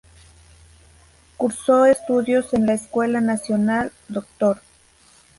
Cursó estudios en la escuela nacional “Dr.